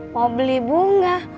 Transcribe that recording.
mau beli bunga